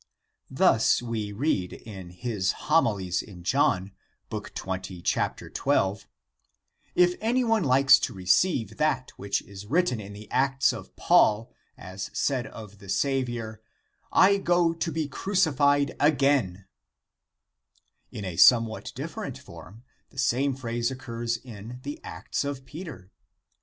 Thus we read Horn, in John XX, 12 :" if any one likes to receive that which is written in the Acts of Paul as said of the Saviour, ' I go to be crucified again.' " In a somewhat different form the same phrase occurs in the Acts of Peter.